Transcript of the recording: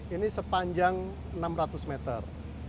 ini sepanjang enam ratus meter